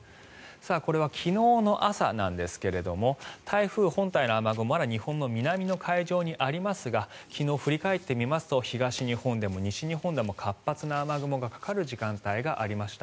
これは昨日の朝なんですが台風本体の雨雲はまだ日本の南の海上にありますが昨日、振り返ってみますと東日本でも西日本でも活発な雨雲がかかる時間帯がありました。